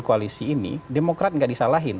koalisi ini demokrat nggak disalahin